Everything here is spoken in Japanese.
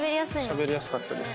しゃべりやすかったです。